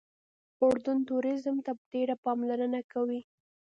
اردن ټوریزم ته ډېره پاملرنه کوي.